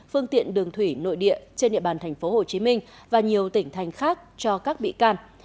phương tiện đường thủy nội địa trên địa bàn tp hcm và nhiều tỉnh thành khác cho các bị can